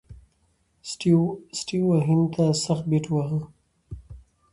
سټیو وا هند ته سخت بیټ وواهه.